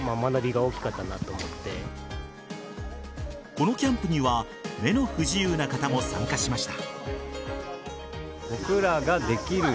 このキャンプには目の不自由な方も参加しました。